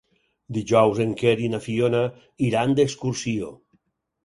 Dijous en Quer i na Fiona iran d'excursió.